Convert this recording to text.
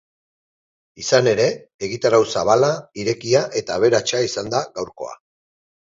Izan ere, egitarau zabala, irekia eta aberatsa izan da gaurkoa.